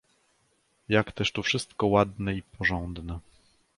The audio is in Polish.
"jak też tu wszystko ładne i porządne!"